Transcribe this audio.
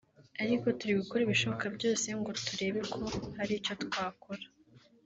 ariko turi gukora ibishoboka byose ngo turebe ko hari icyo twakora”